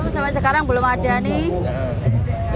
sampai sekarang belum ada nih